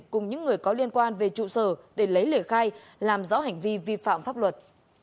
cùng những người có liên quan về trụ sở để lấy lời khai làm rõ hành vi vi phạm pháp luật